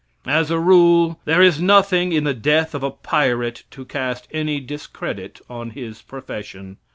As a rule there is nothing in the death of a pirate to cast any discredit on his profession.